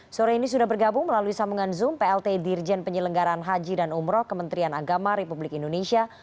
sore ini sudah bergabung melalui sambungan zoom plt dirjen penyelenggaran haji dan umroh kementerian agama republik indonesia